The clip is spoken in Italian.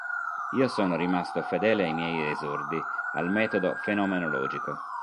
Io sono rimasto fedele ai miei esordi, al metodo fenomenologico".